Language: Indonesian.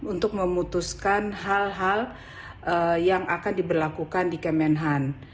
untuk memutuskan hal hal yang akan diberlakukan di kemenhan